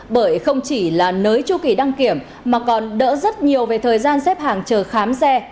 bởi không chỉ là nới chu kỳ đăng kiểm mà còn đỡ rất nhiều về thời gian xếp hàng chờ khám xe